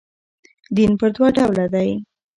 دین پر دوه ډوله دئ.